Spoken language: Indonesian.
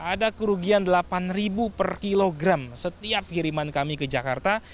ada kerugian delapan per kilogram setiap kiriman kami ke jakarta